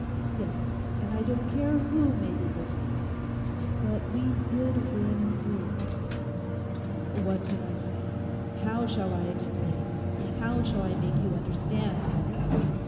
Yes—and I don't care who may be listening—but we did win through.' 'What can I say? How shall I explain? How shall I make you understand?